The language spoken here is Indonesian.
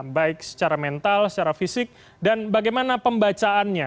baik secara mental secara fisik dan bagaimana pembacaannya